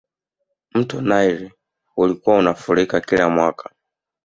mto naili ulikuwa unafurika kila mwaka